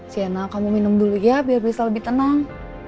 siena kamu minum dulu ya biar bisa lebih tenang